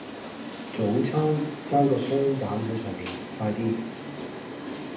早餐差個雙蛋喺上面，快啲